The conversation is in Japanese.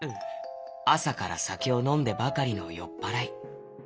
あさからさけをのんでばかりのよっぱらい。